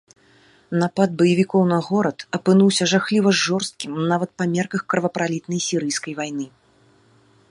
Напад баевікоў на горад апынуўся жахліва жорсткім нават па мерках кровапралітнай сірыйскай вайны.